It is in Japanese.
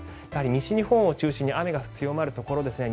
西日本を中心に雨が強まるところですね